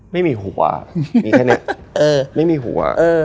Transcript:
ไม่มีหัวมีแค่นี้ไม่มีหัว